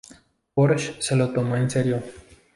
Porsche se lo tomó en serio.